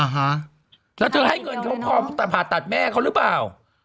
ฮะแล้วเธอให้เงินเขาพอแต่ผ่าตัดแม่เขาหรือเปล่า